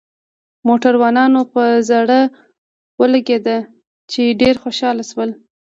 د موټروانانو په زړه ولګېدل، چې ډېر خوشاله شول.